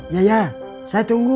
ya ya saya tunggu